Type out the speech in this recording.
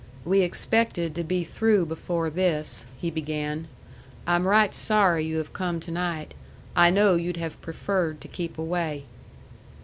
"We expected to be through before this," he began. "I'm right sorry you have come to night. I know you'd have preferred to keep away."